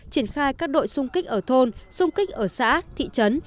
triển khai các đội xung kích ở thôn xung kích ở xã thị trấn